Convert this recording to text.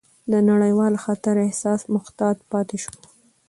د نړیوال خطر احساس محتاط پاتې شو،